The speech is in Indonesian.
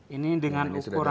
ini dengan ukuran